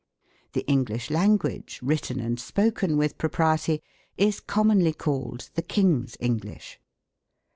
The English language, written and spoken with pro priety, is commonly called the King's English.